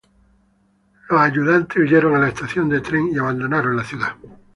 Los ayudantes huyeron a la estación de tren y abandonaron la ciudad.